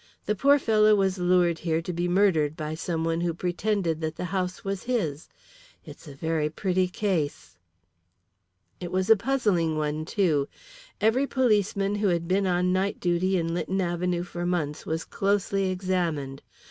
The poor fellow was lured here to be murdered by some one who pretended that the house was his. It's a very pretty case." It was a puzzling one, too. Every policeman who had been on night duty in Lytton Avenue for months was closely examined.